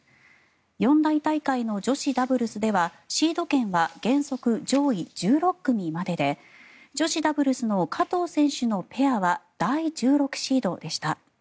四大大会の女子ダブルスではシード権は原則、上位１６組までで女子ダブルスの加藤選手のペアは第１６シードでした。